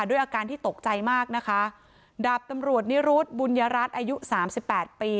ด้วยอาการที่ตกใจมากนะคะดาบตำรวจนิรุธบุญยรัฐอายุสามสิบแปดปี